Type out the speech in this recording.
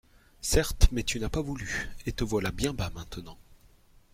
Certes, mais tu n'as pas voulu, et te voilà bien bas maintenant.